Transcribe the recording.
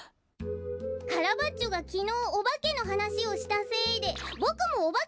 カラバッチョがきのうおばけのはなしをしたせいでボクもおばけのゆめをみたよ！